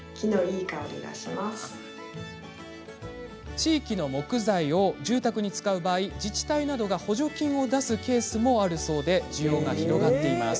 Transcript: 地域の木材を住宅に使う場合自治体などが補助金を出すケースもあり需要が広がっているんです。